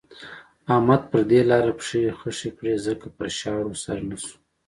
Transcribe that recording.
احمد پر دې لاره پښې خښې کړې ځکه پر شاړو سر نه شو.